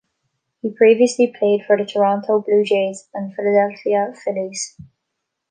He previously played for the Toronto Blue Jays and Philadelphia Phillies.